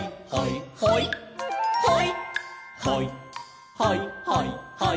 「ほいほいほいほいほい」